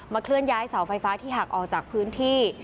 เคลื่อนย้ายเสาไฟฟ้าที่หักออกจากพื้นที่